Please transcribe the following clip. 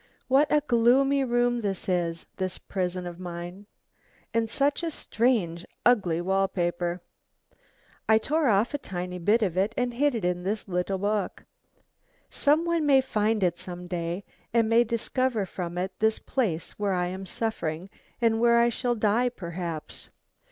"What a gloomy room this is, this prison of mine. And such a strange ugly wall paper. I tore off a tiny bit of it and hid it in this little book. Some one may find it some day and may discover from it this place where I am suffering, and where I shall die, perhaps.